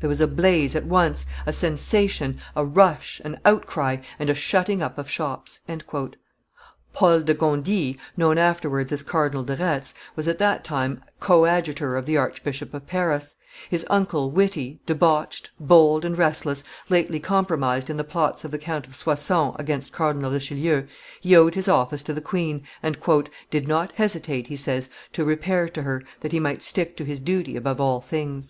"There was a blaze at once, a sensation, a rush, an outcry, and a shutting up of shops." Paul de Gondi, known afterwards as Cardinal de Retz, was at that time coadjutor of the Archbishop of Paris, his uncle witty, debauched, bold, and restless, lately compromised in the plots of the Count of Soissons against Cardinal Richelieu, he owed his office to the queen, and "did not hesitate," he says, "to repair to her, that he might stick to his duty above all things."